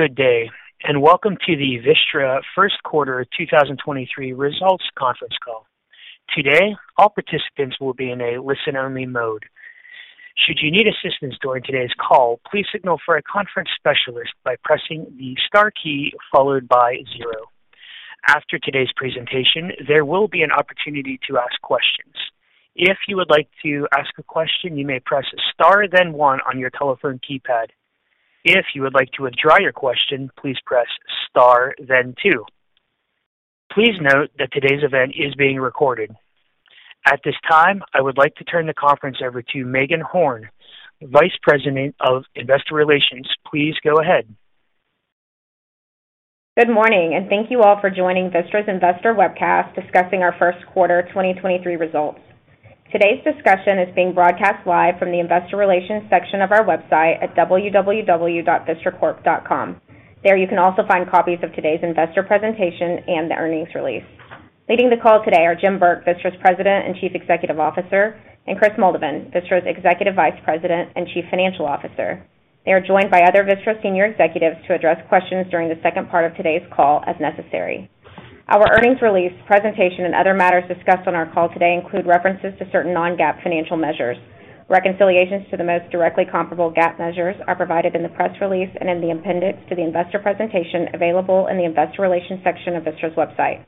Good day, and welcome to the Vistra First Quarter 2023 Results Conference Call. Today, all participants will be in a listen-only mode. Should you need assistance during today's call, please signal for a conference specialist by pressing the star key followed by 0. After today's presentation, there will be an opportunity to ask questions. If you would like to ask a question, you may press star then 1 on your telephone keypad. If you would like to withdraw your question, please press star then 2. Please note that today's event is being recorded. At this time, I would like to turn the conference over to Meagan Horn, Vice President of Investor Relations. Please go ahead. Good morning. Thank you all for joining Vistra's Investor Webcast discussing our first quarter 2023 results. Today's discussion is being broadcast live from the investor relations section of our website at www.vistracorp.com. There, you can also find copies of today's investor presentation and the earnings release. Leading the call today are Jim Burke, Vistra's President and Chief Executive Officer, and Kris Moldovan, Vistra's Executive Vice President and Chief Financial Officer. They are joined by other Vistra senior executives to address questions during the second part of today's call, as necessary. Our earnings release, presentation, and other matters discussed on our call today include references to certain non-GAAP financial measures. Reconciliations to the most directly comparable GAAP measures are provided in the press release and in the appendix to the investor presentation available in the investor relations section of Vistra's website.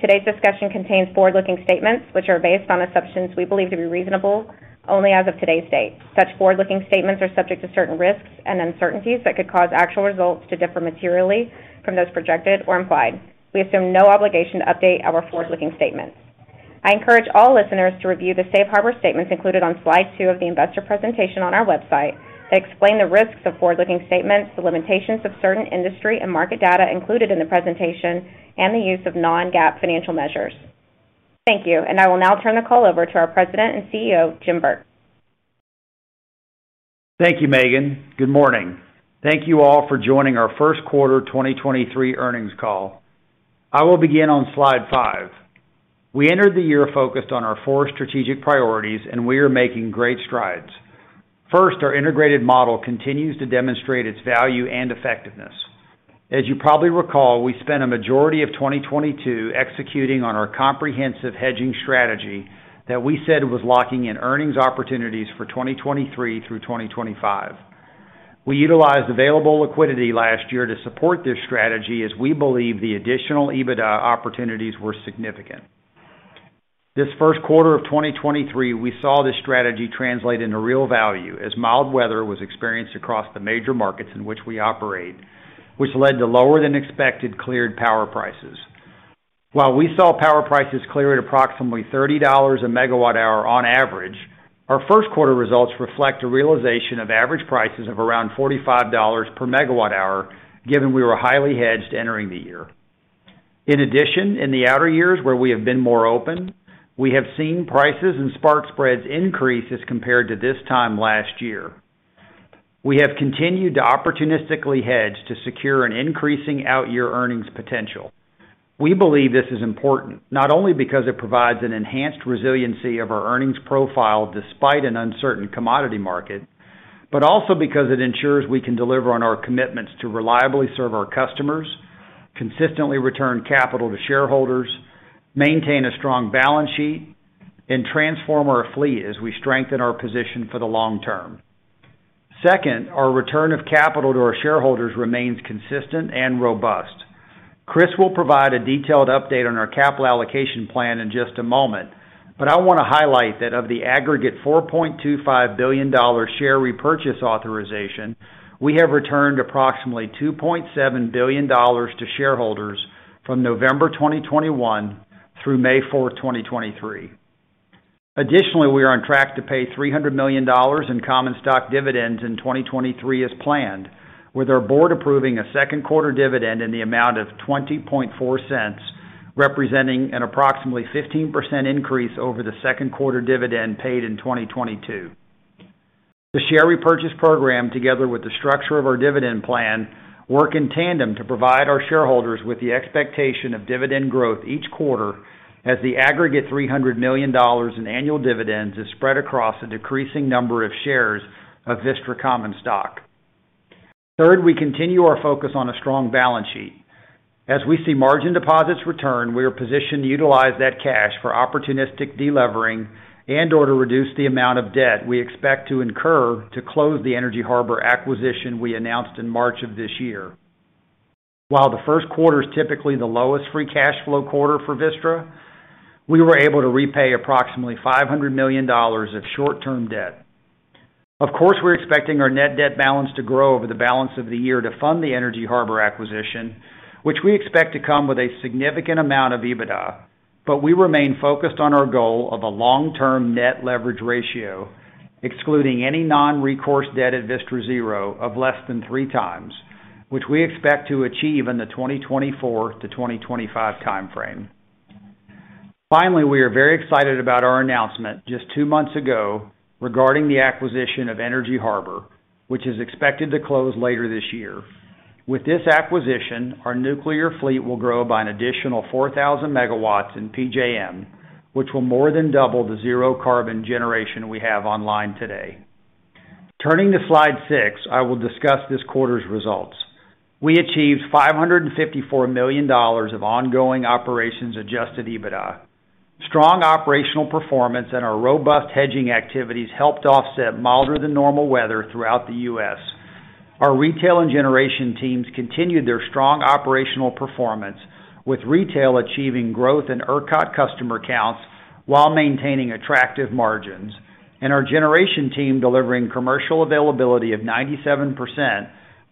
Today's discussion contains forward-looking statements, which are based on assumptions we believe to be reasonable only as of today's date. Such forward-looking statements are subject to certain risks and uncertainties that could cause actual results to differ materially from those projected or implied. We assume no obligation to update our forward-looking statements. I encourage all listeners to review the safe harbor statements included on slide 2 of the investor presentation on our website that explain the risks of forward-looking statements, the limitations of certain industry and market data included in the presentation, and the use of non-GAAP financial measures. Thank you. I will now turn the call over to our President and CEO, Jim Burke. Thank you, Meagan. Good morning. Thank you all for joining our first quarter 2023 earnings call. I will begin on slide 5. We entered the year focused on our four strategic priorities, and we are making great strides. First, our integrated model continues to demonstrate its value and effectiveness. As you probably recall, we spent a majority of 2022 executing on our comprehensive hedging strategy that we said was locking in earnings opportunities for 2023 through 2025. We utilized available liquidity last year to support this strategy as we believe the additional EBITDA opportunities were significant. This first quarter of 2023, we saw this strategy translate into real value as mild weather was experienced across the major markets in which we operate, which led to lower than expected cleared power prices. While we saw power prices clear at approximately $30 a MWh on average, our first quarter results reflect a realization of average prices of around $45 per MWh, given we were highly hedged entering the year. In addition, in the outer years where we have been more open, we have seen prices and spark spreads increase as compared to this time last year. We have continued to opportunistically hedge to secure an increasing out year earnings potential. We believe this is important, not only because it provides an enhanced resiliency of our earnings profile despite an uncertain commodity market, but also because it ensures we can deliver on our commitments to reliably serve our customers, consistently return capital to shareholders, maintain a strong balance sheet, and transform our fleet as we strengthen our position for the long term. Second, our return of capital to our shareholders remains consistent and robust. Kris Moldovan will provide a detailed update on our capital allocation plan in just a moment, but I want to highlight that of the aggregate $4.25 billion share repurchase authorization, we have returned approximately $2.7 billion to shareholders from November 2021 through May 4, 2023. Additionally, we are on track to pay $300 million in common stock dividends in 2023 as planned, with our board approving a second quarter dividend in the amount of $0.204, representing an approximately 15% increase over the second quarter dividend paid in 2022. The share repurchase program, together with the structure of our dividend plan, work in tandem to provide our shareholders with the expectation of dividend growth each quarter as the aggregate $300 million in annual dividends is spread across a decreasing number of shares of Vistra common stock. Third, we continue our focus on a strong balance sheet. As we see margin deposits return, we are positioned to utilize that cash for opportunistic delevering and/or to reduce the amount of debt we expect to incur to close the Energy Harbor Acquisition we announced in March of this year. While the first quarter is typically the lowest free cash flow quarter for Vistra, we were able to repay approximately $500 million of short-term debt. Of course, we're expecting our net debt balance to grow over the balance of the year to fund the Energy Harbor Acquisition, which we expect to come with a significant amount of EBITDA. We remain focused on our goal of a long-term net leverage ratio, excluding any non-recourse debt at Vistra Zero of less than three times, which we expect to achieve in the 2024-2025 timeframe. Finally, we are very excited about our announcement just two months ago regarding the acquisition of Energy Harbor, which is expected to close later this year. With this acquisition, our nuclear fleet will grow by an additional 4,000 megawatts in PJM, which will more than double the zero carbon generation we have online today. Turning to slide six, I will discuss this quarter's results. We achieved $554 million of ongoing operations adjusted EBITDA. Strong operational performance and our robust hedging activities helped offset milder than normal weather throughout the U.S. Our retail and generation teams continued their strong operational performance, with retail achieving growth in ERCOT customer counts while maintaining attractive margins, and our generation team delivering commercial availability of 97%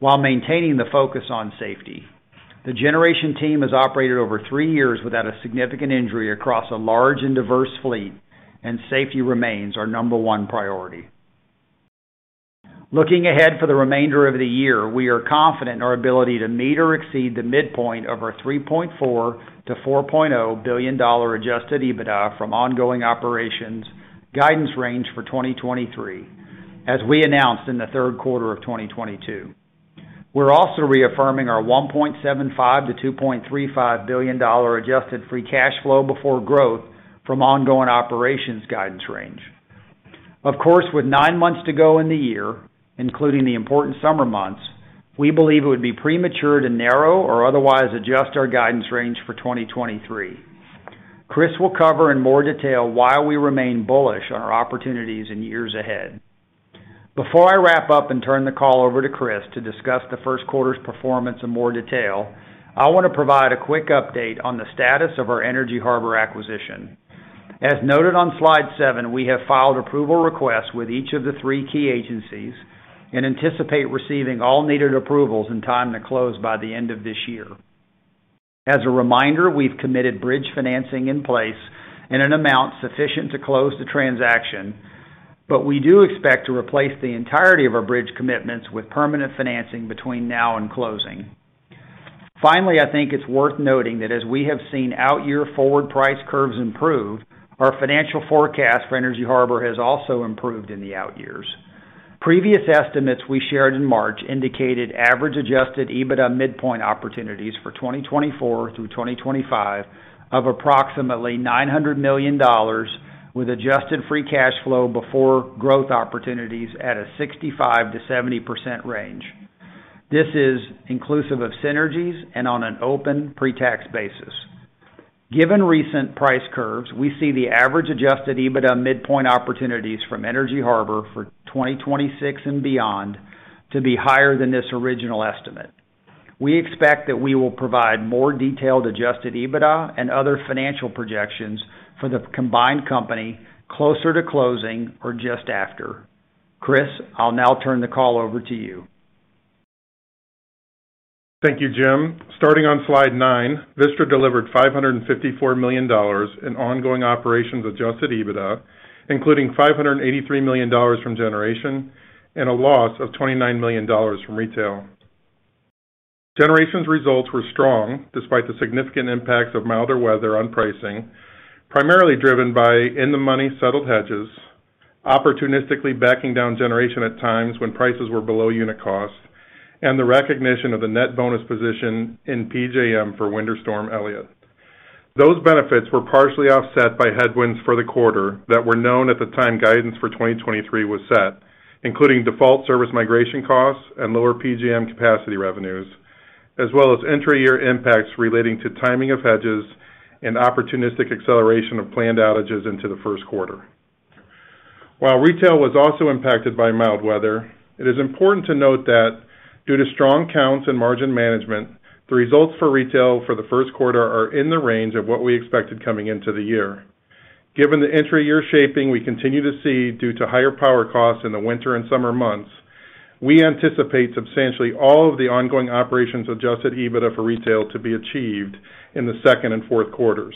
while maintaining the focus on safety. The generation team has operated over three years without a significant injury across a large and diverse fleet, and safety remains our number one priority. Looking ahead for the remainder of the year, we are confident in our ability to meet or exceed the midpoint of our $3.4 billion-$4.0 billion adjusted EBITDA from ongoing operations guidance range for 2023, as we announced in the third quarter of 2022. We're also reaffirming our $1.75 billion-$2.35 billion adjusted free cash flow before growth from ongoing operations guidance range. With 9 months to go in the year, including the important summer months, we believe it would be premature to narrow or otherwise adjust our guidance range for 2023. Kris will cover in more detail why we remain bullish on our opportunities in years ahead. Before I wrap up and turn the call over to Kris to discuss the first quarter's performance in more detail, I want to provide a quick update on the status of our Energy Harbor Acquisition. As noted on slide 7, we have filed approval requests with each of the 3 key agencies and anticipate receiving all needed approvals in time to close by the end of this year. As a reminder, we've committed bridge financing in place in an amount sufficient to close the transaction, but we do expect to replace the entirety of our bridge commitments with permanent financing between now and closing. I think it's worth noting that as we have seen out year forward price curves improve, our financial forecast for Energy Harbor has also improved in the out years. Previous estimates we shared in March indicated average adjusted EBITDA midpoint opportunities for 2024 through 2025 of approximately $900 million with adjusted free cash flow before growth opportunities at a 65%-70% range. This is inclusive of synergies and on an open pre-tax basis. Given recent price curves, we see the average adjusted EBITDA midpoint opportunities from Energy Harbor for 2026 and beyond to be higher than this original estimate. We expect that we will provide more detailed adjusted EBITDA and other financial projections for the combined company closer to closing or just after. Kris, I'll now turn the call over to you. Thank you, Jim. Starting on slide 9, Vistra delivered $554 million in ongoing operations adjusted EBITDA, including $583 million from generation and a loss of $29 million from retail. Generation results were strong despite the significant impacts of milder weather on pricing, primarily driven by in the money settled hedges, opportunistically backing down generation at times when prices were below unit cost, and the recognition of a net bonus position in PJM for Winter Storm Elliott. Those benefits were partially offset by headwinds for the quarter that were known at the time guidance for 2023 was set, including default service migration costs and lower PJM capacity revenues, as well as intra-year impacts relating to timing of hedges and opportunistic acceleration of planned outages into the first quarter. While retail was also impacted by mild weather, it is important to note that due to strong counts and margin management, the results for retail for the first quarter are in the range of what we expected coming into the year. Given the intra-year shaping we continue to see due to higher power costs in the winter and summer months, we anticipate substantially all of the ongoing operations adjusted EBITDA for retail to be achieved in the second and fourth quarters.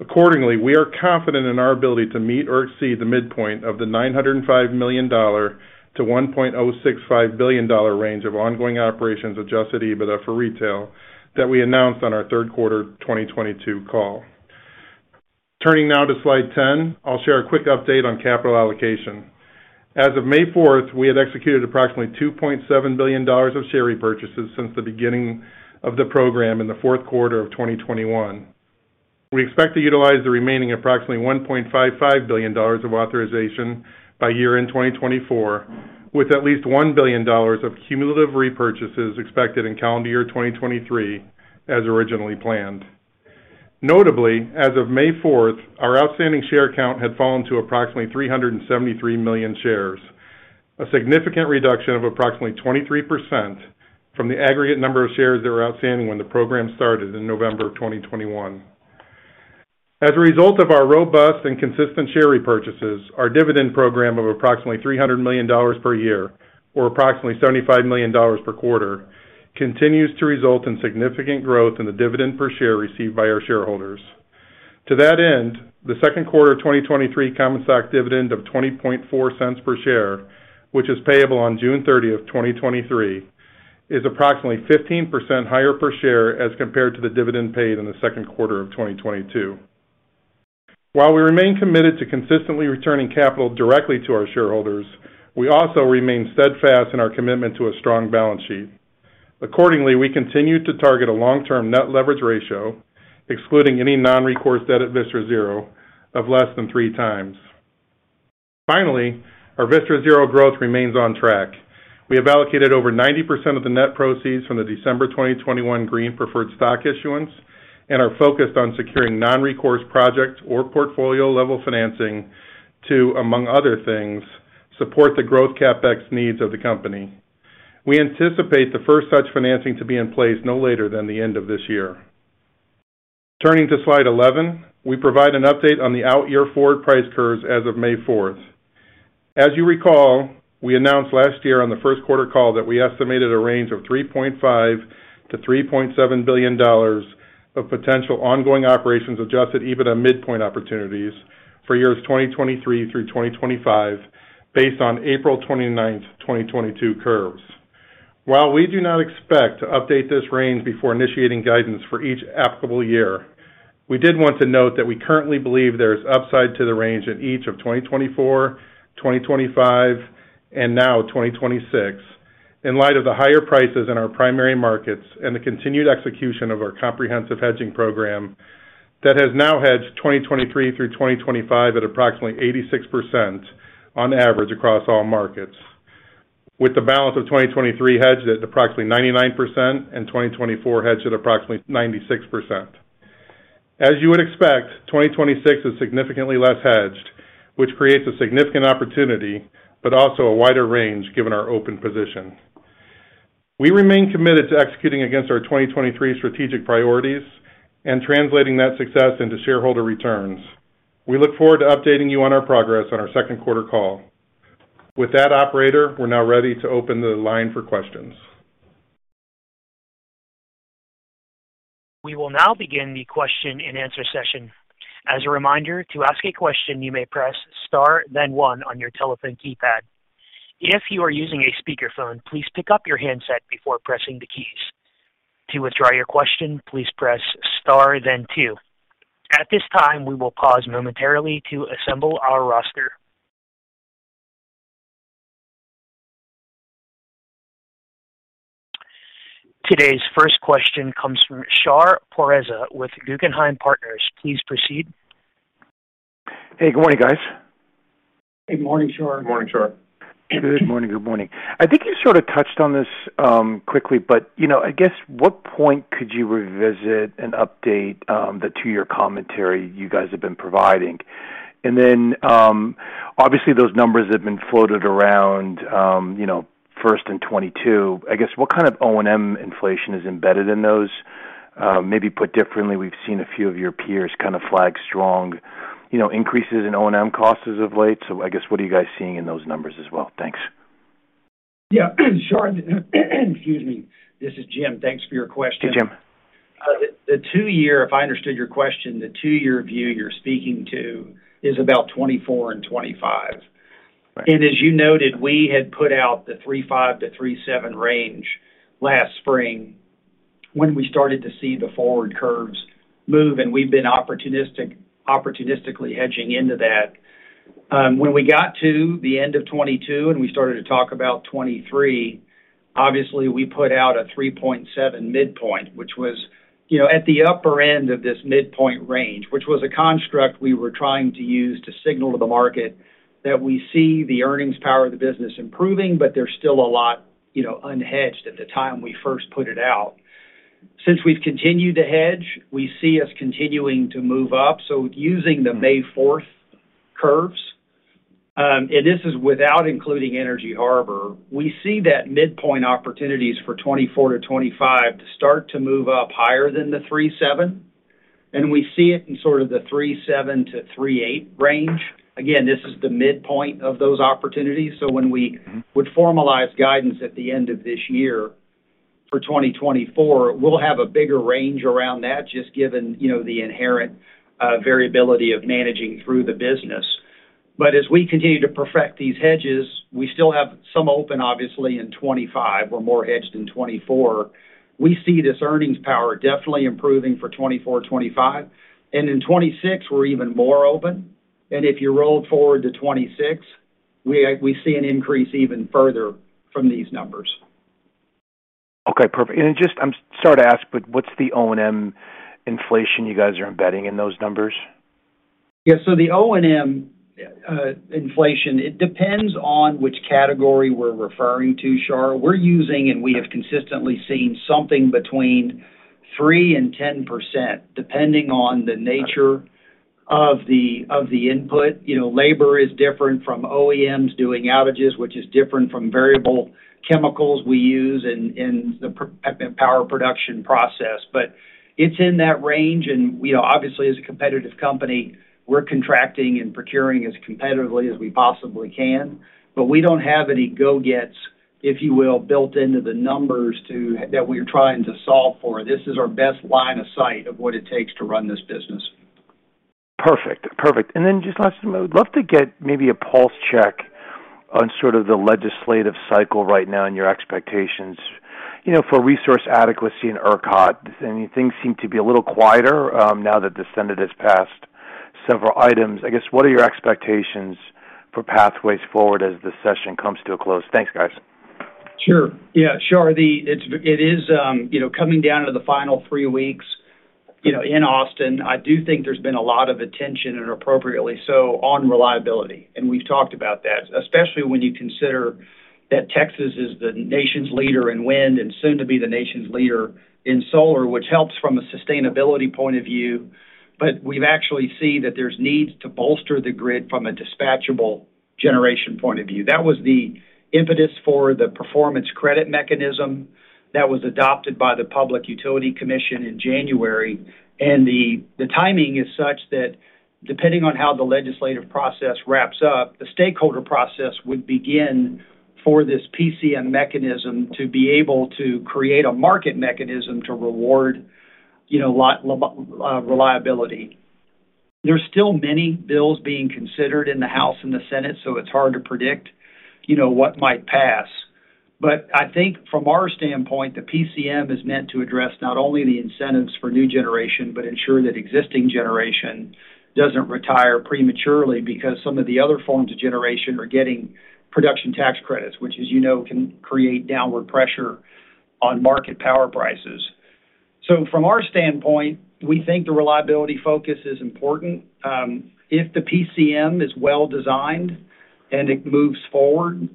Accordingly, we are confident in our ability to meet or exceed the midpoint of the $905 million-$1.065 billion range of ongoing operations adjusted EBITDA for retail that we announced on our third quarter of 2022 call. Turning now to slide 10, I'll share a quick update on capital allocation. As of May fourth, we had executed approximately $2.7 billion of share repurchases since the beginning of the program in the fourth quarter of 2021. We expect to utilize the remaining approximately $1.55 billion of authorization by year-end 2024, with at least $1 billion of cumulative repurchases expected in calendar year 2023, as originally planned. Notably, as of May fourth, our outstanding share count had fallen to approximately 373 million shares, a significant reduction of approximately 23% from the aggregate number of shares that were outstanding when the program started in November of 2021. As a result of our robust and consistent share repurchases, our dividend program of approximately $300 million per year, or approximately $75 million per quarter, continues to result in significant growth in the dividend per share received by our shareholders. To that end, the second quarter of 2023 common stock dividend of $0.204 per share, which is payable on June 30, 2023, is approximately 15% higher per share as compared to the dividend paid in the second quarter of 2022. While we remain committed to consistently returning capital directly to our shareholders, we also remain steadfast in our commitment to a strong balance sheet. Accordingly, we continue to target a long-term net leverage ratio, excluding any non-recourse debt at Vistra Zero, of less than three times. Finally, our Vistra Zero growth remains on track. We have allocated over 90% of the net proceeds from the December 2021 Green preferred stock issuance and are focused on securing non-recourse project or portfolio-level financing to, among other things, support the growth CapEx needs of the company. We anticipate the first such financing to be in place no later than the end of this year. Turning to slide 11, we provide an update on the out year forward price curves as of May fourth. As you recall, we announced last year on the first quarter call that we estimated a range of $3.5 billion-$3.7 billion of potential ongoing operations adjusted EBITDA midpoint opportunities for years 2023 through 2025 based on April 29, 2022 curves. While we do not expect to update this range before initiating guidance for each applicable year, we did want to note that we currently believe there is upside to the range in each of 2024, 2025, and now 2026. In light of the higher prices in our primary markets and the continued execution of our comprehensive hedging program that has now hedged 2023 through 2025 at approximately 86% on average across all markets, with the balance of 2023 hedged at approximately 99% and 2024 hedged at approximately 96%. As you would expect, 2026 is significantly less hedged, which creates a significant opportunity but also a wider range given our open position. We remain committed to executing against our 2023 strategic priorities and translating that success into shareholder returns. We look forward to updating you on our progress on our second quarter call. With that, operator, we're now ready to open the line for questions. We will now begin the question-and-answer session. As a reminder, to ask a question, you may press star then one on your telephone keypad. If you are using a speakerphone, please pick up your handset before pressing the keys. To withdraw your question, please press star then two. At this time, we will pause momentarily to assemble our roster. Today's first question comes from Shar Pourreza with Guggenheim Partners. Please proceed. Hey, good morning, guys. Good morning, Shar. Good morning, Shar. Good morning, good morning. I think you sort of touched on this, quickly, but, you know, I guess what point could you revisit and update the 2-year commentary you guys have been providing? Then, obviously those numbers have been floated around, you know, first in 2022. I guess what kind of O&M inflation is embedded in those? Maybe put differently, we've seen a few of your peers kind of flag strong, you know, increases in O&M costs as of late. I guess what are you guys seeing in those numbers as well? Thanks. Yeah, Shar. Excuse me. This is Jim. Thanks for your question. Hey, Jim. The two-year, if I understood your question, the two-year view you're speaking to is about 24 and 25. Right. As you noted, we had put out the $3.5-$3.7 range last spring when we started to see the forward curves move, and we've been opportunistically hedging into that. When we got to the end of 2022, and we started to talk about 2023, obviously, we put out a $3.7 midpoint, which was, you know, at the upper end of this midpoint range, which was a construct we were trying to use to signal to the market that we see the earnings power of the business improving, but there's still a lot, you know, unhedged at the time we first put it out. Since we've continued to hedge, we see us continuing to move up. Using the May fourth curves, and this is without including Energy Harbor, we see that midpoint opportunities for 2024 to 2025 to start to move up higher than $3.7, and we see it in sort of the $3.7-$3.8 range. Again, this is the midpoint of those opportunities. When we would formalize guidance at the end of this year for 2024, we'll have a bigger range around that just given, you know, the inherent variability of managing through the business. As we continue to perfect these hedges, we still have some open, obviously, in 2025. We're more hedged in 2024. We see this earnings power definitely improving for 2024, 2025. In 2026, we're even more open. If you roll forward to 2026, we see an increase even further from these numbers. Okay, perfect. Just sorry to ask, but what's the O&M inflation you guys are embedding in those numbers? Yeah. The O&M inflation, it depends on which category we're referring to, Shar. We're using, and we have consistently seen something between 3% and 10%, depending on the nature of the input. You know, labor is different from OEMs doing outages, which is different from variable chemicals we use in the power production process. It's in that range. You know, obviously, as a competitive company, we're contracting and procuring as competitively as we possibly can. We don't have any go-gets, if you will, built into the numbers that we're trying to solve for. This is our best line of sight of what it takes to run this business. Perfect. Perfect. Just last, I would love to get maybe a pulse check on sort of the legislative cycle right now and your expectations. You know, for resource adequacy in ERCOT, does anything seem to be a little quieter now that the Senate has passed several items? I guess, what are your expectations for pathways forward as this session comes to a close? Thanks, guys. Sure. Yeah, sure. It is, you know, coming down to the final three weeks, you know, in Austin. I do think there's been a lot of attention, and appropriately so, on reliability. We've talked about that, especially when you consider that Texas is the nation's leader in wind and soon to be the nation's leader in solar, which helps from a sustainability point of view. We've actually see that there's needs to bolster the grid from a dispatchable generation point of view. That was the impetus for the Performance Credit Mechanism that was adopted by the Public Utility Commission in January. The timing is such that depending on how the legislative process wraps up, the stakeholder process would begin for this PCM mechanism to be able to create a market mechanism to reward, you know, reliability. There's still many bills being considered in the House and the Senate. It's hard to predict, you know, what might pass. I think from our standpoint, the PCM is meant to address not only the incentives for new generation, but ensure that existing generation doesn't retire prematurely because some of the other forms of generation are getting production tax credits, which, as you know, can create downward pressure on market power prices. From our standpoint, we think the reliability focus is important. If the PCM is well-designed and it moves forward,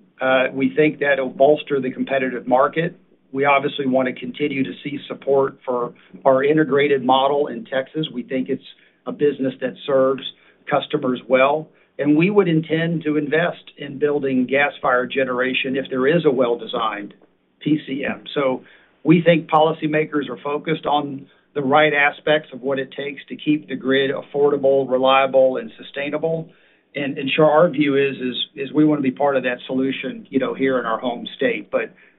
we think that it'll bolster the competitive market. We obviously wanna continue to see support for our integrated model in Texas. We think it's a business that serves customers well, and we would intend to invest in building gas-fired generation if there is a well-designed PCM. We think policymakers are focused on the right aspects of what it takes to keep the grid affordable, reliable, and sustainable. Sure, our view is we wanna be part of that solution, you know, here in our home state.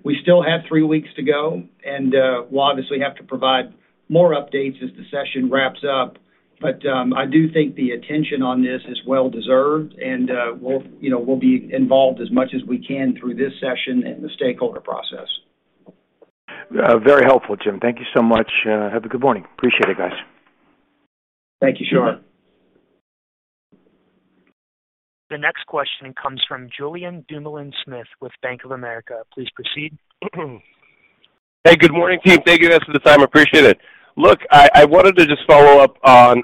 We still have 3 weeks to go, and we'll obviously have to provide more updates as the session wraps up. I do think the attention on this is well-deserved, and we'll, you know, we'll be involved as much as we can through this session and the stakeholder process. Very helpful, Jim. Thank you so much. Have a good morning. Appreciate it, guys. Thank you, Sean. The next question comes from Julien Dumoulin-Smith with Bank of America. Please proceed. Hey, good morning, team. Thank you guys for the time. Appreciate it. Look, I wanted to just follow up on,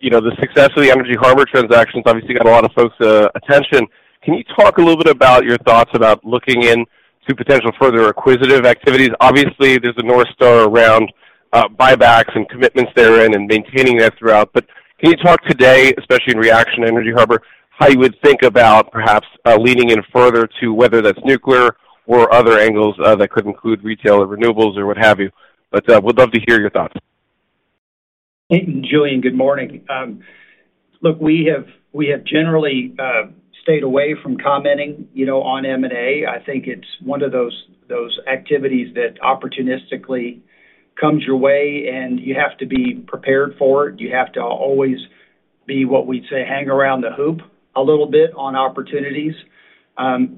you know, the success of the Energy Harbor transactions. Obviously, got a lot of folks', attention. Can you talk a little bit about your thoughts about looking into potential further acquisitive activities? Obviously, there's a North Star around, buybacks and commitments therein and maintaining that throughout. Can you talk today, especially in reaction to Energy Harbor, how you would think about perhaps, leaning in further to whether that's nuclear or other angles, that could include retail or renewables or what have you? Would love to hear your thoughts. Hey, Julien, good morning. Look, we have generally stayed away from commenting, you know, on M&A. I think it's one of those activities that opportunistically comes your way, and you have to be prepared for it. You have to always be what we'd say, hang around the hoop a little bit on opportunities.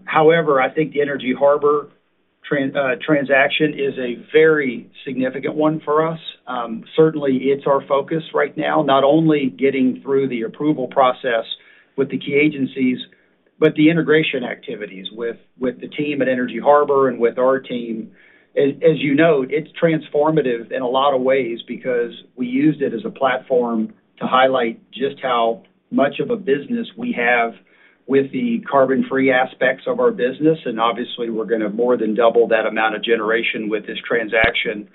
However, I think the Energy Harbor transaction is a very significant one for us. Certainly, it's our focus right now, not only getting through the approval process with the key agencies, but the integration activities with the team at Energy Harbor and with our team. As you note, it's transformative in a lot of ways because we used it as a platform to highlight just how much of a business we have with the carbon-free aspects of our business. Obviously, we're gonna more than double that amount of generation with this transaction.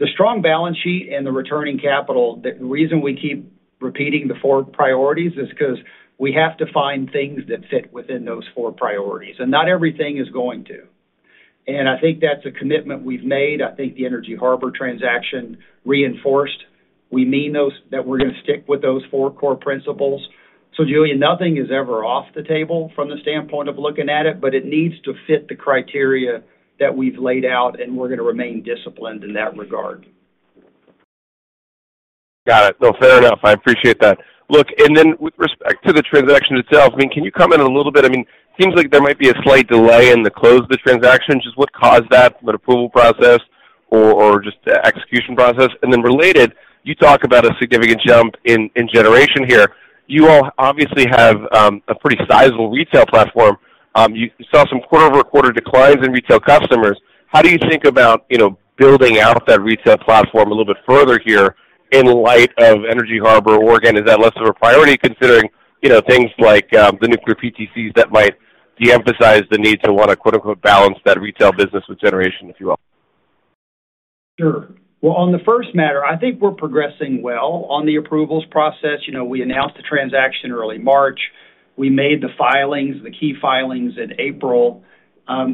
The strong balance sheet and the returning capital, the reason we keep repeating the four priorities is 'cause we have to find things that fit within those four priorities, and not everything is going to. I think that's a commitment we've made. I think the Energy Harbor transaction reinforced we mean that we're gonna stick with those four core principles. Julien, nothing is ever off the table from the standpoint of looking at it, but it needs to fit the criteria that we've laid out, and we're gonna remain disciplined in that regard. Got it. No, fair enough. I appreciate that. Look, with respect to the transaction itself, I mean, can you comment a little bit? I mean, seems like there might be a slight delay in the close of the transaction. Just what caused that, from an approval process or just execution process? Related, you talk about a significant jump in generation here. You all obviously have a pretty sizable retail platform. You saw some quarter-over-quarter declines in retail customers. How do you think about, you know, building out that retail platform a little bit further here in light of Energy Harbor? Or again, is that less of a priority considering, you know, things like the nuclear PTCs that might de-emphasize the need to wanna, quote-unquote, "balance that retail business with generation," if you will? Sure. Well, on the first matter, I think we're progressing well on the approvals process. You know, we announced the transaction early March. We made the filings, the key filings in April.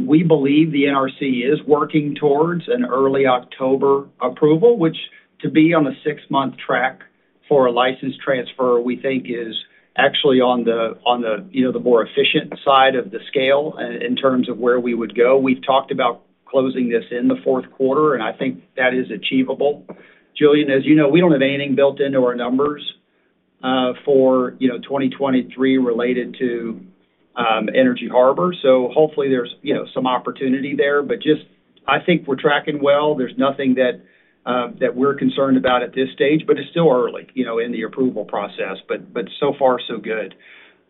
We believe the NRC is working towards an early October approval, which to be on a 6-month track for a license transfer, we think is actually on the, you know, the more efficient side of the scale in terms of where we would go. We've talked about closing this in the fourth quarter, I think that is achievable. Julien, as you know, we don't have anything built into our numbers for, you know, 2023 related to Energy Harbor. Hopefully there's, you know, some opportunity there. I think we're tracking well. There's nothing that we're concerned about at this stage, but it's still early, you know, in the approval process. So far so good.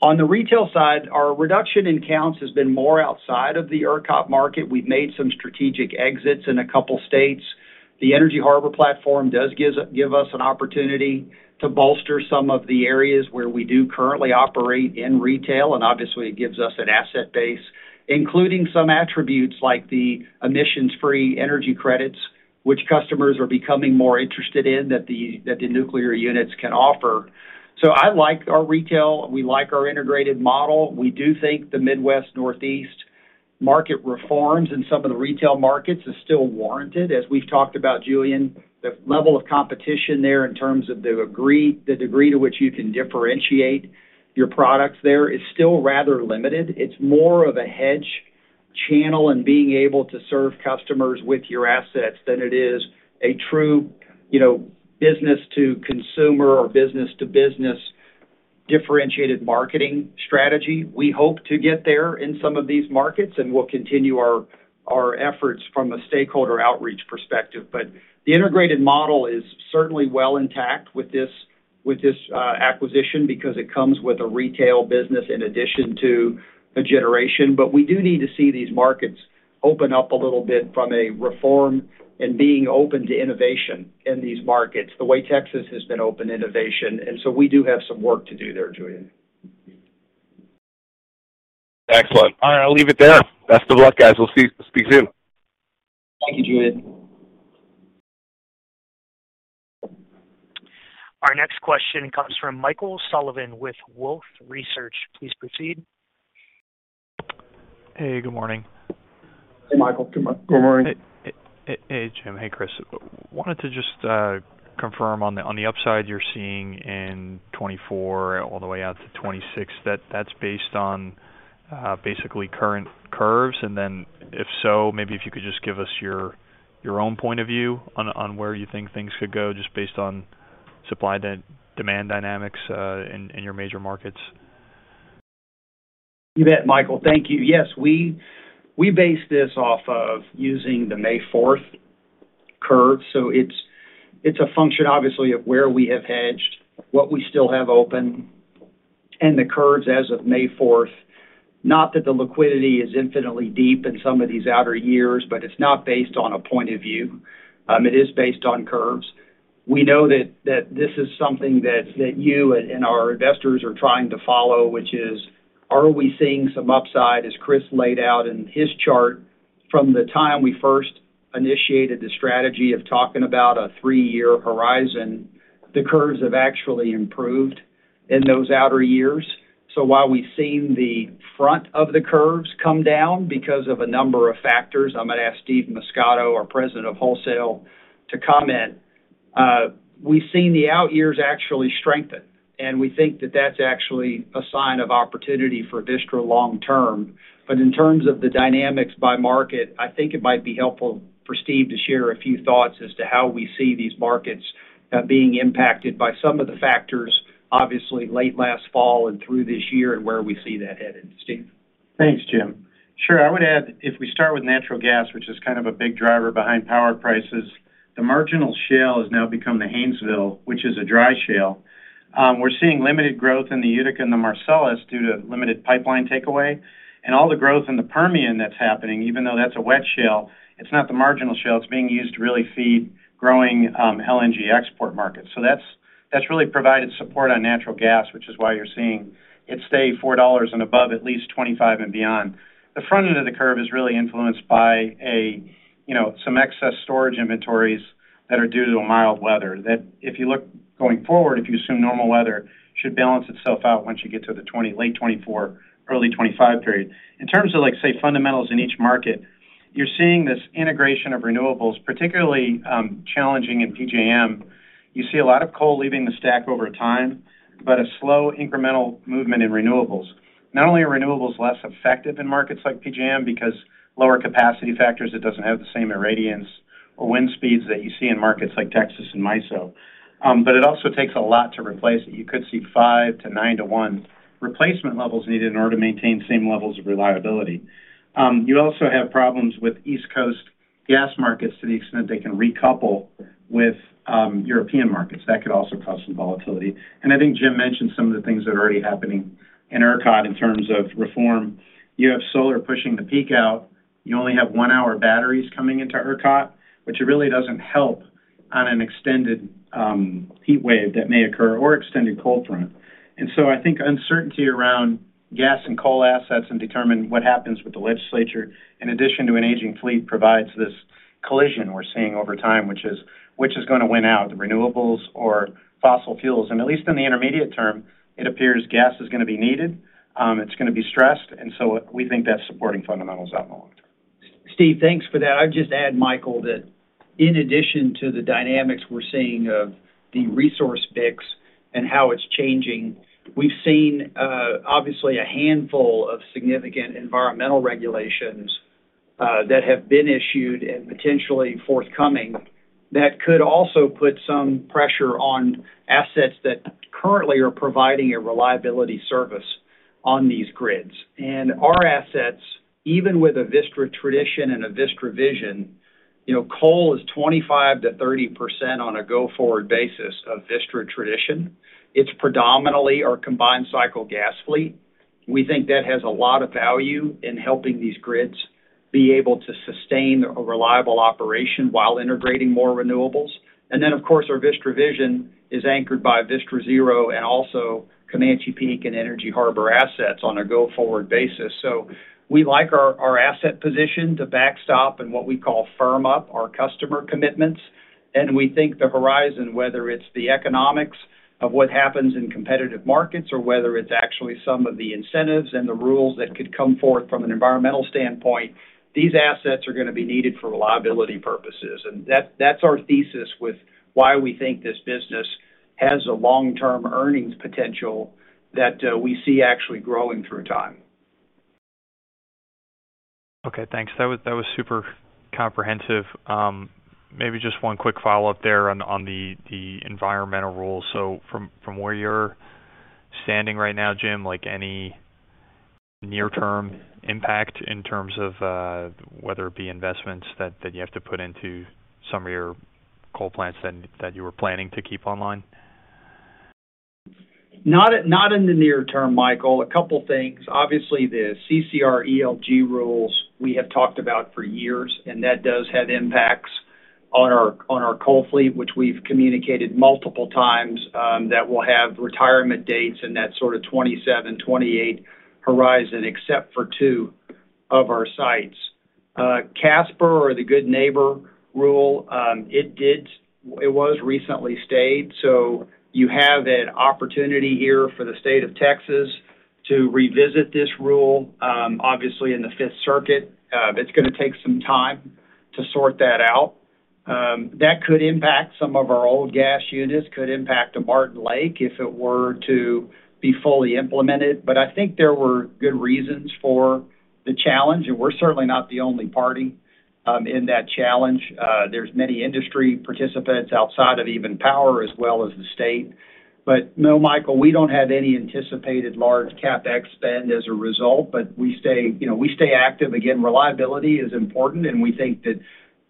On the retail side, our reduction in counts has been more outside of the ERCOT market. We've made some strategic exits in a couple states. The Energy Harbor Platform give us an opportunity to bolster some of the areas where we do currently operate in retail. Obviously it gives us an asset base, including some attributes like the emissions-free energy credits, which customers are becoming more interested in that the nuclear units can offer. I like our retail. We like our integrated model. We do think the Midwest-Northeast market reforms in some of the retail markets is still warranted. As we've talked about, Julien, the level of competition there in terms of the degree to which you can differentiate your products there is still rather limited. It's more of a hedge channel and being able to serve customers with your assets than it is a true, you know, business-to-consumer or business-to-business differentiated marketing strategy. We hope to get there in some of these markets, and we'll continue our efforts from a stakeholder outreach perspective. The integrated model is certainly well intact with this, with this acquisition because it comes with a retail business in addition to a generation. We do need to see these markets open up a little bit from a reform and being open to innovation in these markets, the way Texas has been open innovation. We do have some work to do there, Julien. Excellent. All right, I'll leave it there. Best of luck, guys. We'll speak soon. Thank you, Julien. Our next question comes from Michael Sullivan with Wolfe Research. Please proceed. Hey, good morning. Hey, Michael. Good morning. Hey, Jim. Hey, Kris. Wanted to just confirm on the, on the upside you're seeing in 2024 all the way out to 2026, that that's based on basically current curves. If so, maybe if you could just give us your own point of view on where you think things could go just based on supply-demand dynamics in your major markets. You bet, Michael. Thank you. Yes, we base this off of using the May fourth curve. It's a function, obviously, of where we have hedged, what we still have open, and the curves as of May fourth. Not that the liquidity is infinitely deep in some of these outer years, but it's not based on a point of view. It is based on curves. We know that this is something that you and our investors are trying to follow, which is, are we seeing some upside, as Kris laid out in his chart? From the time we first initiated the strategy of talking about a three-year horizon, the curves have actually improved in those outer years. While we've seen the front of the curves come down because of a number of factors, I'm going to ask Steve Muscato, our President of wholesale, to comment. We've seen the out-years actually strengthen, and we think that that's actually a sign of opportunity for Vistra long term. In terms of the dynamics by market, I think it might be helpful for Steve to share a few thoughts as to how we see these markets being impacted by some of the factors, obviously, late last fall and through this year and where we see that headed. Steve. Thanks, Jim. Sure. I would add, if we start with natural gas, which is kind of a big driver behind power prices, the marginal shale has now become the Haynesville, which is a dry shale. We're seeing limited growth in the Utica and the Marcellus due to limited pipeline takeaway. All the growth in the Permian that's happening, even though that's a wet shale, it's not the marginal shale. It's being used to really feed growing LNG export markets. That's, that's really provided support on natural gas, which is why you're seeing it stay $4 and above at least 25 and beyond. The front end of the curve is really influenced by a, you know, some excess storage inventories that are due to a mild weather. If you look going forward, if you assume normal weather, should balance itself out once you get to the late 2024, early 2025 period. In terms of, like, say, fundamentals in each market, you're seeing this integration of renewables, particularly, challenging in PJM. You see a lot of coal leaving the stack over time, but a slow incremental movement in renewables. Not only are renewables less effective in markets like PJM because lower capacity factors, it doesn't have the same irradiance or wind speeds that you see in markets like Texas and MISO, but it also takes a lot to replace it. You could see 5 to 9 to 1 replacement levels needed in order to maintain same levels of reliability. You also have problems with East Coast gas markets to the extent they can recouple with, European markets. That could also cause some volatility. I think Jim mentioned some of the things that are already happening in ERCOT in terms of reform. You have solar pushing the peak out. You only have 1-hour batteries coming into ERCOT, which really doesn't help on an extended heatwave that may occur or extended cold front. I think uncertainty around gas and coal assets and determine what happens with the legislature, in addition to an aging fleet, provides this collision we're seeing over time, which is going to win out, renewables or fossil fuels? At least in the intermediate term, it appears gas is going to be needed. It's going to be stressed. We think that's supporting fundamentals out in the long term. Steve, thanks for that. I'd just add, Michael, that in addition to the dynamics we're seeing of the resource mix and how it's changing, we've seen obviously a handful of significant environmental regulations that have been issued and potentially forthcoming. That could also put some pressure on assets that currently are providing a reliability service on these grids. Our assets, even with a Vistra Tradition and a Vistra Vision, you know, coal is 25%-30% on a go-forward basis of Vistra Tradition. It's predominantly our combined cycle gas fleet. We think that has a lot of value in helping these grids be able to sustain a reliable operation while integrating more renewables. Then, of course, our Vistra Vision is anchored by Vistra Zero and also Comanche Peak and Energy Harbor assets on a go-forward basis. We like our asset position to backstop and what we call firm up our customer commitments. We think the horizon, whether it's the economics of what happens in competitive markets or whether it's actually some of the incentives and the rules that could come forth from an environmental standpoint, these assets are gonna be needed for reliability purposes. That's our thesis with why we think this business has a long-term earnings potential that we see actually growing through time. Okay, thanks. That was super comprehensive. Maybe just one quick follow-up there on the environmental rules. From where you're standing right now, Jim, like any near-term impact in terms of whether it be investments that you have to put into some of your coal plants that you were planning to keep online? Not in the near term, Michael. A couple things. Obviously, the CCR/ELG rules we have talked about for years, and that does have impacts on our, on our coal fleet, which we've communicated multiple times, that we'll have retirement dates in that sort of 27, 28 horizon, except for two of our sites. CSAPR or the Good Neighbor Plan, it was recently stayed. You have an opportunity here for the state of Texas to revisit this rule, obviously in the Fifth Circuit. It's gonna take some time to sort that out. That could impact some of our old gas units, could impact a Martin Lake if it were to be fully implemented. I think there were good reasons for the challenge, and we're certainly not the only party, in that challenge. There's many industry participants outside of even power as well as the state. No, Michael, we don't have any anticipated large CapEx spend as a result, but we stay, you know, we stay active. Reliability is important, we think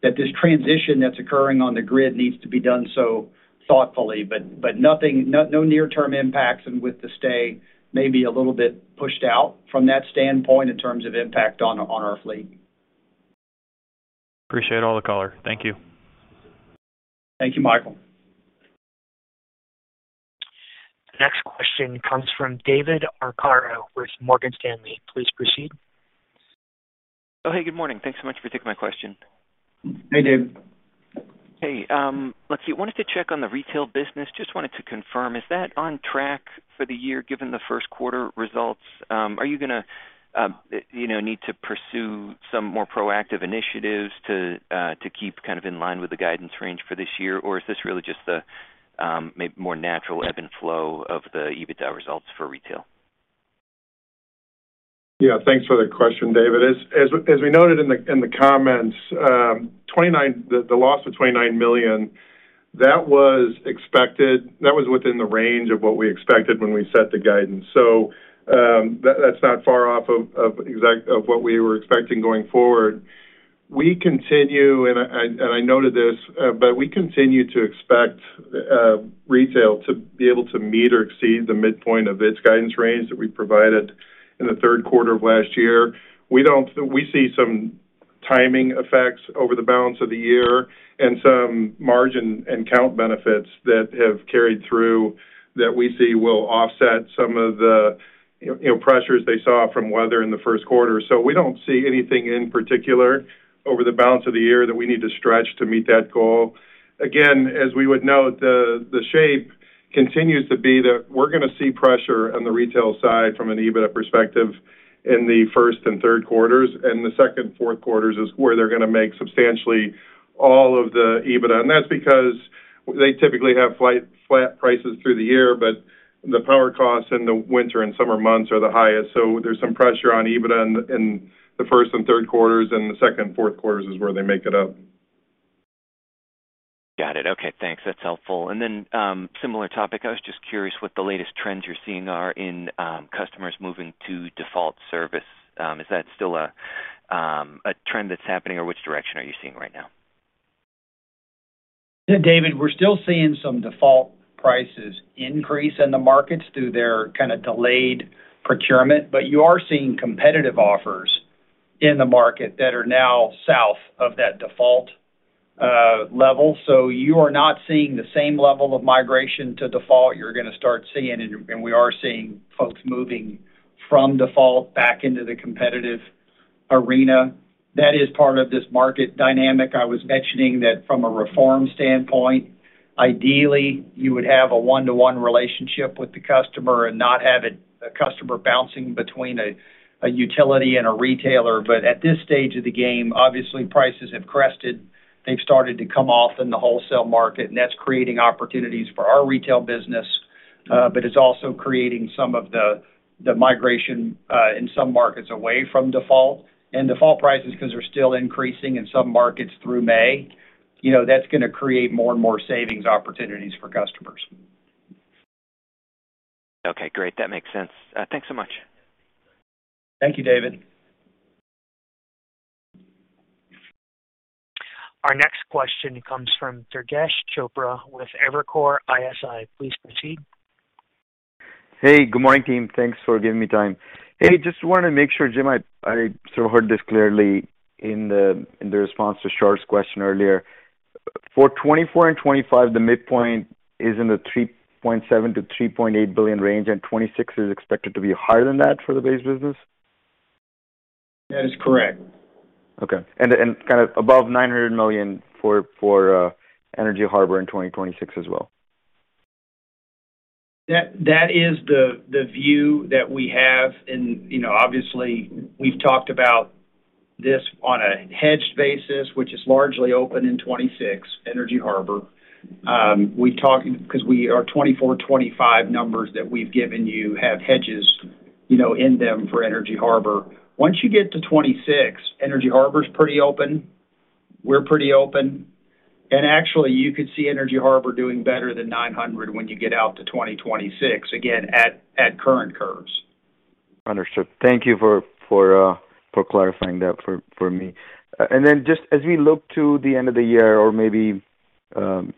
that this transition that's occurring on the grid needs to be done so thoughtfully. Nothing, no near-term impacts, with the stay may be a little bit pushed out from that standpoint in terms of impact on our fleet. Appreciate all the color. Thank you. Thank you, Michael. The next question comes from David Arcaro with Morgan Stanley. Please proceed. Oh, hey, good morning. Thanks so much for taking my question. Hey, Dave. Hey, let's see. Wanted to check on the retail business. Just wanted to confirm, is that on track for the year, given the first quarter results? Are you gonna, you know, need to pursue some more proactive initiatives to keep kind of in line with the guidance range for this year? Is this really just the maybe more natural ebb and flow of the EBITDA results for retail? Thanks for the question, David. As we noted in the comments, the loss of $29 million, that was expected. That was within the range of what we expected when we set the guidance. That's not far off of what we were expecting going forward. We continue, and I noted this, we continue to expect retail to be able to meet or exceed the midpoint of its guidance range that we provided in the third quarter of last year. We see some timing effects over the balance of the year and some margin and count benefits that have carried through that we see will offset some of the, you know, pressures they saw from weather in the first quarter. We don't see anything in particular over the balance of the year that we need to stretch to meet that goal. Again, as we would note, the shape continues to be that we're gonna see pressure on the retail side from an EBITDA perspective in the first and third quarters, and the second, fourth quarters is where they're gonna make substantially all of the EBITDA. That's because they typically have flat prices through the year, but the power costs in the winter and summer months are the highest. There's some pressure on EBITDA in the first and third quarters, and the second, fourth quarters is where they make it up. Got it. Okay, thanks. That's helpful. Then, similar topic. I was just curious what the latest trends you're seeing are in customers moving to default service. Is that still a trend that's happening, or which direction are you seeing right now? David, we're still seeing some default prices increase in the markets through their kinda delayed procurement, but you are seeing competitive offers in the market that are now south of that default level. You are not seeing the same level of migration to default. You're gonna start seeing, and we are seeing folks moving from default back into the competitive arena. That is part of this market dynamic I was mentioning that from a reform standpoint, ideally, you would have a one-to-one relationship with the customer and not have a customer bouncing between a utility and a retailer. At this stage of the game, obviously prices have crested. They've started to come off in the wholesale market, and that's creating opportunities for our retail business. It's also creating some of the migration in some markets away from default. Default prices, 'cause they're still increasing in some markets through May, you know, that's gonna create more and more savings opportunities for customers. Okay, great. That makes sense. Thanks so much. Thank you, David. Our next question comes from Durgesh Chopra with Evercore ISI. Please proceed. Hey, good morning, team. Thanks for giving me time. Hey, just wanna make sure, Jim, I sort of heard this clearly in the, in the response to Char's question earlier. For 2024 and 2025, the midpoint is in the $3.7 billion-$3.8 billion range, and 2026 is expected to be higher than that for the base business? That is correct. Okay. And kind of above $900 million for Energy Harbor in 2026 as well. That is the view that we have and, you know, obviously we've talked about this on a hedged basis, which is largely open in 2026, Energy Harbor. We talked 'cause we are 2024, 2025 numbers that we've given you have hedges, you know, in them for Energy Harbor. Once you get to 2026, Energy Harbor is pretty open. We're pretty open. Actually, you could see Energy Harbor doing better than 900 when you get out to 2026, again, at current curves. Understood. Thank you for clarifying that for me. Then just as we look to the end of the year or maybe,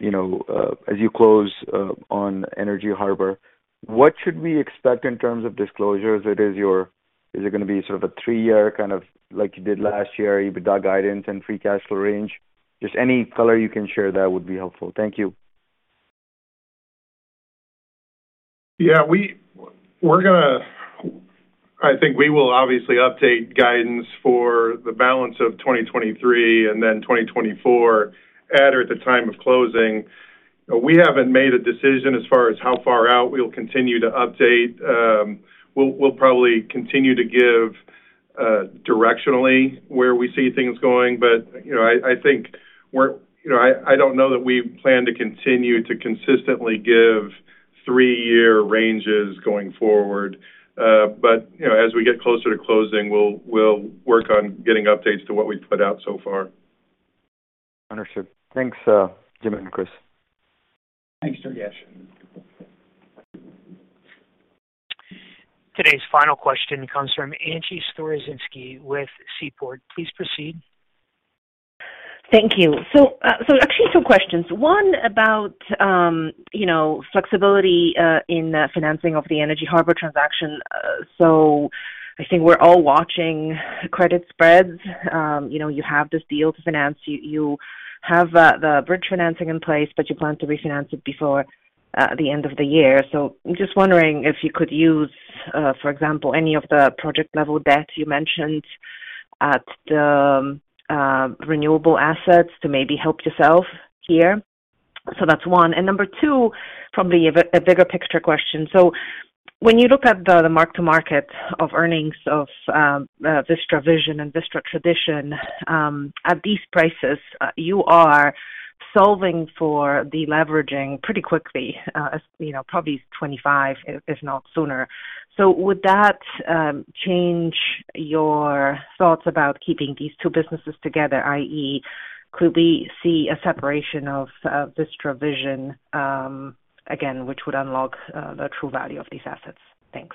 you know, as you close on Energy Harbor, what should we expect in terms of disclosures? Is it gonna be sort of a three-year kind of like you did last year, EBITDA guidance and free cash flow range? Just any color you can share that would be helpful. Thank you. Yeah, we're gonna... I think we will obviously update guidance for the balance of 2023 and then 2024 at or at the time of closing. We haven't made a decision as far as how far out we'll continue to update. We'll probably continue to give directionally where we see things going. You know, I think we're... You know, I don't know that we plan to continue to consistently give 3-year ranges going forward. You know, as we get closer to closing, we'll work on getting updates to what we've put out so far. Understood. Thanks, Jim and Kris. Thanks, Durgesh. Today's final question comes from Angie Storozynski with Seaport. Please proceed. Thank you. Actually two questions. One about, you know, flexibility in financing of the Energy Harbor transaction. I think we're all watching credit spreads. You know, you have this deal to finance. You have the bridge financing in place, but you plan to refinance it before the end of the year. I'm just wondering if you could use, for example, any of the project level debt you mentioned at the renewable assets to maybe help yourself here. That's one. Number two, probably a bigger picture question. When you look at the mark to market of earnings of Vistra Vision and Vistra Tradition, at these prices, you are solving for deleveraging pretty quickly, as you know, probably 2025, if not sooner. Would that change your thoughts about keeping these two businesses together? i.e., could we see a separation of Vistra Vision again, which would unlock the true value of these assets? Thanks.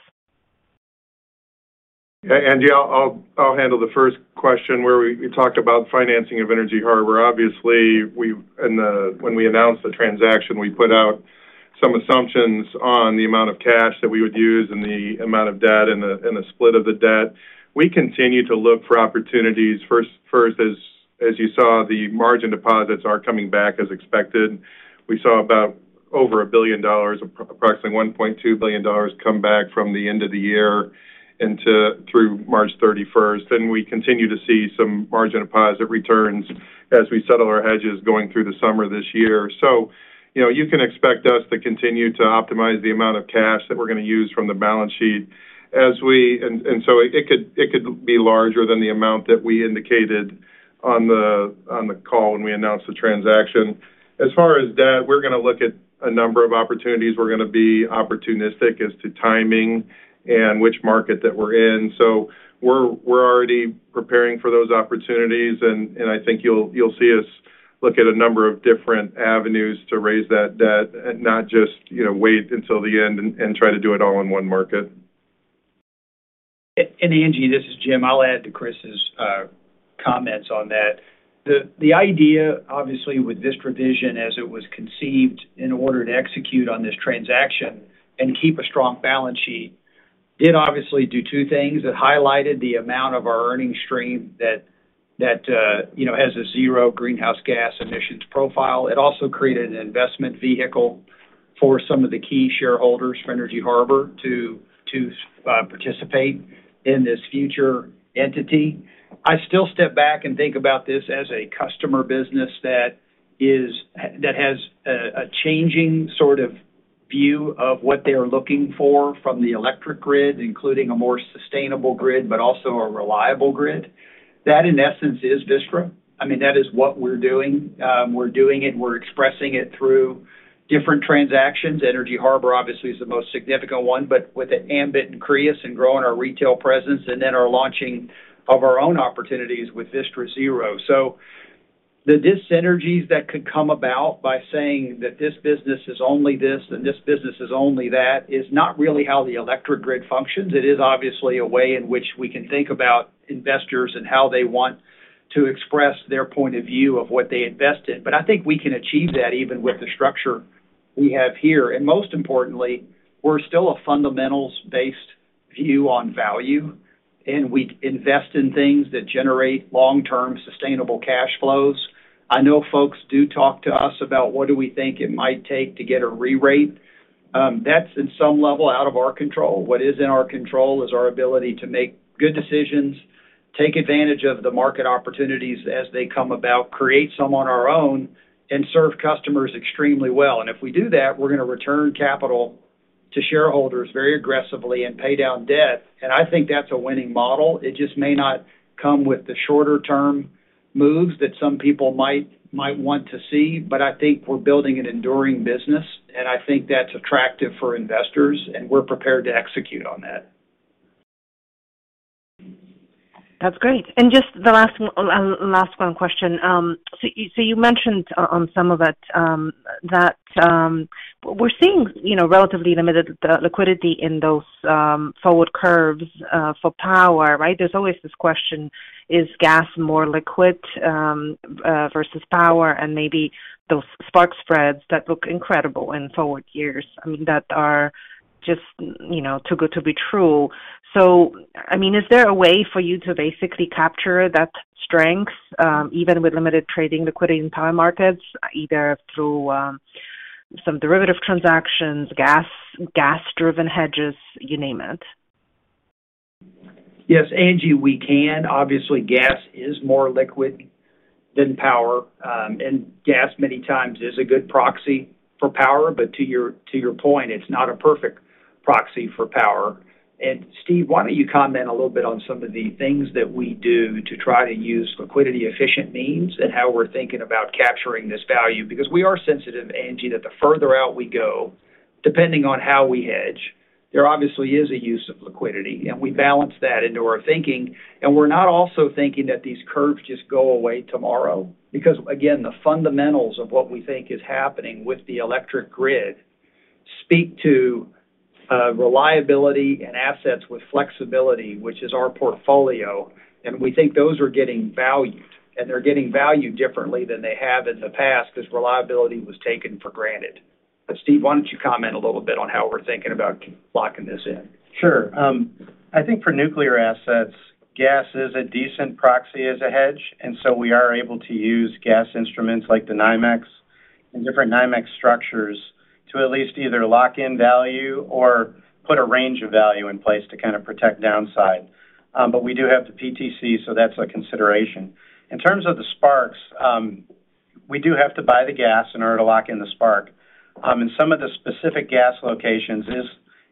Yeah, Angie, I'll handle the first question where we talked about financing of Energy Harbor. When we announced the transaction, we put out some assumptions on the amount of cash that we would use and the amount of debt and the split of the debt. We continue to look for opportunities. First, as you saw, the margin deposits are coming back as expected. We saw about over $1 billion, approximately $1.2 billion come back from the end of the year through March 31st. We continue to see some margin deposit returns as we settle our hedges going through the summer this year. You know, you can expect us to continue to optimize the amount of cash that we're gonna use from the balance sheet. It could be larger than the amount that we indicated on the call when we announced the transaction. As far as debt, we're gonna look at a number of opportunities. We're gonna be opportunistic as to timing and which market that we're in. We're already preparing for those opportunities, and I think you'll see us look at a number of different avenues to raise that debt and not just, you know, wait until the end and try to do it all in one market. Angie, this is Jim. I'll add to Chris's comments on that. The idea, obviously, with Vistra Vision as it was conceived in order to execute on this transaction and keep a strong balance sheet, did obviously do two things. It highlighted the amount of our earning stream that, you know, has a zero greenhouse gas emissions profile. It also created an investment vehicle for some of the key shareholders for Energy Harbor to participate in this future entity. I still step back and think about this as a customer business that has a changing sort of view of what they're looking for from the electric grid, including a more sustainable grid, but also a reliable grid. That in essence is Vistra. I mean, that is what we're doing. We're doing it and we're expressing it through different transactions. Energy Harbor obviously is the most significant one, but with the Ambit and Crius and growing our retail presence and then our launching of our own opportunities with Vistra Zero. The dis-synergies that could come about by saying that this business is only this and this business is only that, is not really how the electric grid functions. It is obviously a way in which we can think about investors and how they want to express their point of view of what they invest in. I think we can achieve that even with the structure we have here. Most importantly, we're still a fundamentals-based view on value, and we invest in things that generate long-term sustainable cash flows. I know folks do talk to us about what do we think it might take to get a re-rate. That's in some level out of our control. What is in our control is our ability to make good decisions, take advantage of the market opportunities as they come about, create some on our own, and serve customers extremely well. If we do that, we're gonna return capital to shareholders very aggressively and pay down debt. I think that's a winning model. It just may not come with the shorter term moves that some people might want to see, but I think we're building an enduring business, and I think that's attractive for investors, and we're prepared to execute on that. That's great. Just the last one question. You mentioned on some of it that we're seeing, you know, relatively limited, the liquidity in those forward curves for power, right? There's always this question, is gas more liquid versus power? Maybe those spark spreads that look incredible in forward years, I mean, that are just, you know, too good to be true. I mean, is there a way for you to basically capture that strength even with limited trading liquidity in power markets, either through some derivative transactions, gas-driven hedges, you name it? Yes, Angie, we can. Obviously, gas is more liquid than power. Gas many times is a good proxy for power. But to your point, it's not a perfect proxy for power. Steve, why don't you comment a little bit on some of the things that we do to try to use liquidity efficient means and how we're thinking about capturing this value. Because we are sensitive, Angie, that the further out we go, depending on how we hedge, there obviously is a use of liquidity, and we balance that into our thinking. We're not also thinking that these curves just go away tomorrow. Because again, the fundamentals of what we think is happening with the electric grid speak to reliability and assets with flexibility, which is our portfolio. We think those are getting valued, and they're getting valued differently than they have in the past, because reliability was taken for granted. Steve, why don't you comment a little bit on how we're thinking about locking this in? Sure. I think for nuclear assets, gas is a decent proxy as a hedge. We are able to use gas instruments like the NYMEX and different NYMEX structures to at least either lock in value or put a range of value in place to kind of protect downside. We do have the PTC, so that's a consideration. In terms of the sparks, we do have to buy the gas in order to lock in the spark. Some of the specific gas locations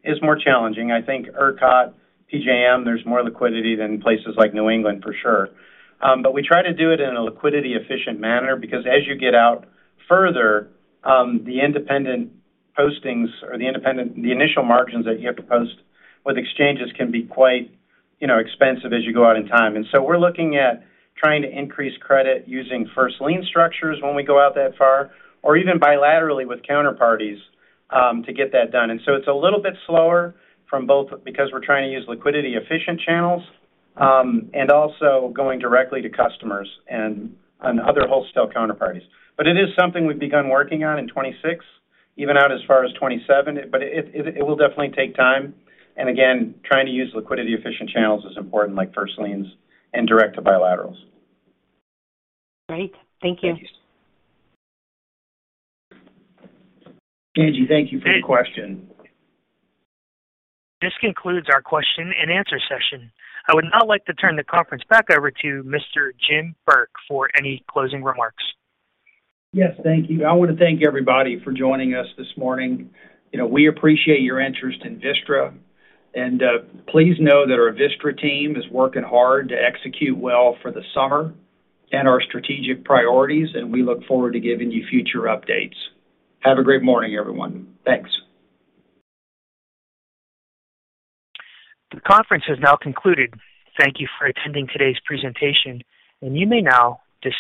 is more challenging. I think ERCOT, PJM, there's more liquidity than places like New England for sure. We try to do it in a liquidity efficient manner because as you get out further, the independent postings or the independent the initial margins that you have to post with exchanges can be quite, you know, expensive as you go out in time. So we're looking at trying to increase credit using first lien structures when we go out that far or even bilaterally with counterparties to get that done. So it's a little bit slower from both because we're trying to use liquidity efficient channels and also going directly to customers and other wholesale counterparties. It is something we've begun working on in 2026, even out as far as 2027, but it will definitely take time. Again, trying to use liquidity efficient channels is important, like first liens and direct to bilaterals. Great. Thank you. Thank you. Angie, thank you for the question. This concludes our question and answer session. I would now like to turn the conference back over to Mr. Jim Burke for any closing remarks. Yes, thank you. I want to thank everybody for joining us this morning. You know, we appreciate your interest in Vistra. Please know that our Vistra team is working hard to execute well for the summer and our strategic priorities, and we look forward to giving you future updates. Have a great morning, everyone. Thanks. The conference has now concluded. Thank you for attending today's presentation. You may now disconnect.